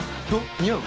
似合う？